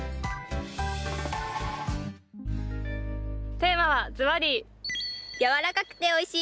テーマはずばり！